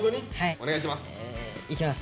お願いします。